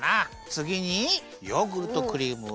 つぎにヨーグルトクリームをいれます。